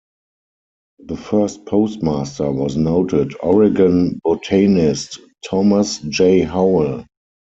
The first postmaster was noted Oregon botanist Thomas J. Howell.